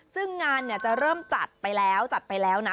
ซึ่งงานเนี่ยจะเริ่มจัดไปแล้วจัดไปแล้วนะ